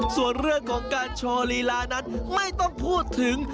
ส่วนเรื่องของการโชว์ลีลานั้นไม่ต้องพูดถึง